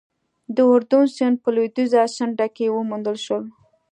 د اردون سیند په لوېدیځه څنډه کې وموندل شول.